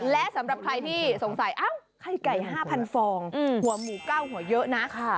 และสำหรับใครที่สงสัยไข่ไก่๕๐๐ฟองหัวหมู๙หัวเยอะนะ